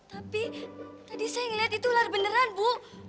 tapi tadi saya melihat itu ular beneran bu